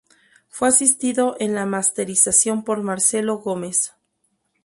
Fue asistido en la masterización por Marcelo Gómez.